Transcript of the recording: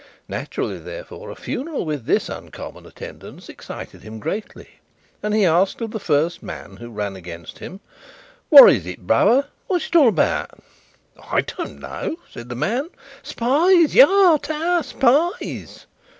Naturally, therefore, a funeral with this uncommon attendance excited him greatly, and he asked of the first man who ran against him: "What is it, brother? What's it about?" "I don't know," said the man. "Spies! Yaha! Tst! Spies!"